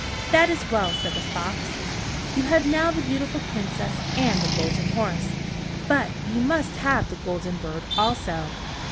"That is well," said the fox. "You have now the beautiful Princess and the Golden Horse, but you must have the Golden Bird also."